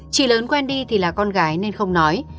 chị lớn quen đi thì là con gái nên không nói